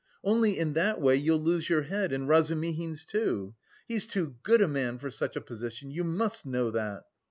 Only in that way you'll lose your head and Razumihin's, too; he's too good a man for such a position, you must know that.